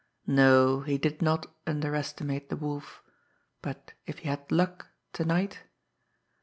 No, he did not underestimate the Wolf, but if he had luck to night